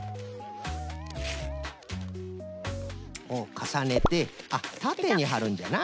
かさねてあったてにはるんじゃな。